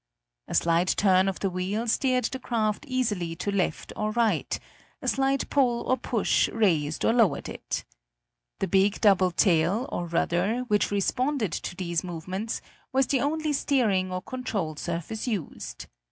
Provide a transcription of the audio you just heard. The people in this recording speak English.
A slight turn of the wheel steered the craft easily to right or left, a slight pull or push raised or lowered it. The big double tail, or rudder, which responded to these movements, was the only steering or control surface used.